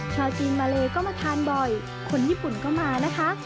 ชาวจีนมาเลก็มาทานบ่อยคนญี่ปุ่นก็มานะคะ